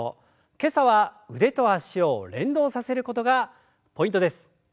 今朝は腕と脚を連動させることがポイントです。